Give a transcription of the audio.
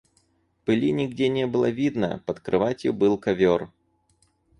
Пыли нигде не было видно, под кроватью был ковер.